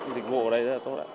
dịch vụ ở đây rất là tốt